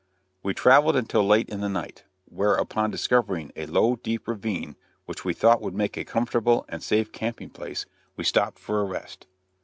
We traveled until late in the night; when upon discovering a low, deep ravine which we thought would make a comfortable and safe camping place, we stopped for a rest.